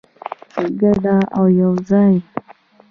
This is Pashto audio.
په ګډه او یوځای.